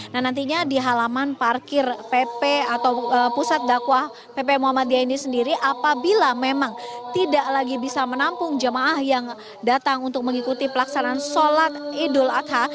nah nantinya di halaman parkir pp atau pusat dakwah pp muhammadiyah ini sendiri apabila memang tidak lagi bisa menampung jemaah yang datang untuk mengikuti pelaksanaan sholat idul adha